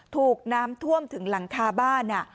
ถูกน้ำท่วมถึงหลังคาบ้าน